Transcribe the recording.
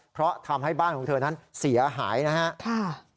เพราะทำให้บ้านของเธอนั้นเสียหายนะครับ